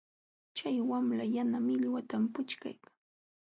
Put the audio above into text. Chay wamla yana millwatam puchkaykan.